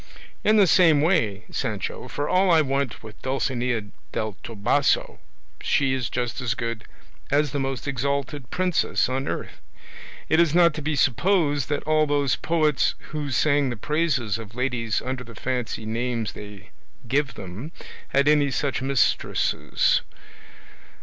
In the same way, Sancho, for all I want with Dulcinea del Toboso she is just as good as the most exalted princess on earth. It is not to be supposed that all those poets who sang the praises of ladies under the fancy names they give them, had any such mistresses.